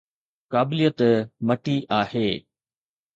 قابليت مٽي آهي.